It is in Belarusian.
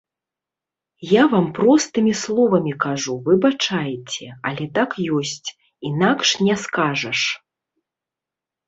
Я вам простымі словамі кажу, выбачайце, але так ёсць, інакш не скажаш.